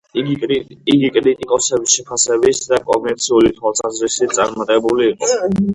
იგი კრიტიკოსების შეფასების და კომერციული თვალსაზრისით, წარმატებული იყო.